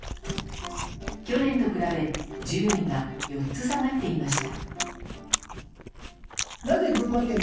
去年と比べ順位が４つ下がっていました。